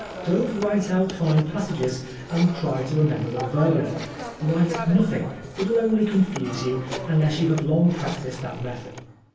Don't write out fine passages and try to remember them verbally. Write nothing; it will only confuse you, unless you have long practised that method.